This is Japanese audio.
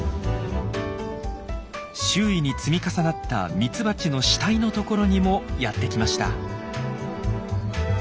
周囲に積み重なったミツバチの死体の所にもやって来ました。